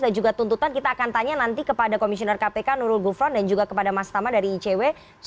dan juga tuntutan kita akan tanya nanti kepada komisioner kpk nurul gufron dan juga kepada mas tama dari icw cnn indonesia newscast